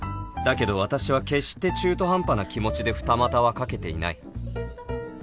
だけど私は決して中途半端な気持ちで二股はかけていない